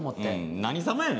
何様やねん！